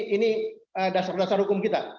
ini dasar dasar hukum kita